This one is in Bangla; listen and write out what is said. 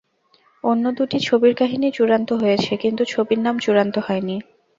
অন্য দুটি ছবির কাহিনি চূড়ান্ত হয়েছে, কিন্তু ছবির নাম চূড়ান্ত হয়নি।